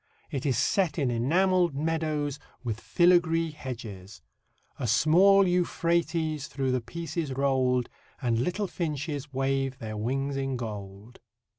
It is set in enamelled meadows, with filigree hedges: "A small Euphrates through the piece is roll'd, And little finches wave their wings in gold."